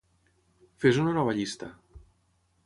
Fes una nova llista.